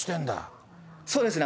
そうですね。